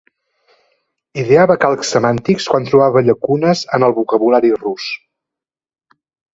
Ideava calcs semàntics quan troba llacunes en el vocabulari rus.